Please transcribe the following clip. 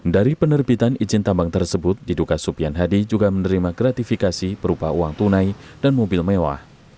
dari penerbitan izin tambang tersebut diduga supian hadi juga menerima gratifikasi berupa uang tunai dan mobil mewah